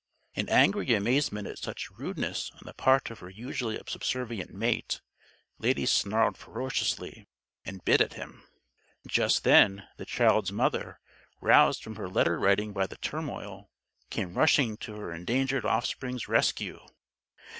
In angry amazement at such rudeness on the part of her usually subservient mate, Lady snarled ferociously, and bit at him. Just then, the child's mother, roused from her letter writing by the turmoil, came rushing to her endangered offspring's rescue.